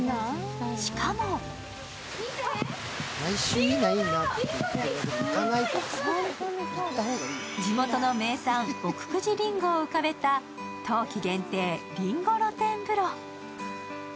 しかも地元の名産・奥久慈りんごを浮かべた冬季限定りんご露天風呂。